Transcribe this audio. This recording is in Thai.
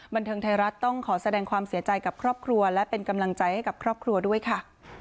บันเทิงไทยรัฐต้องขอแสดงความเสียใจกับครอบครัวและเป็นกำลังใจให้กับครอบครัวด้วยค่ะ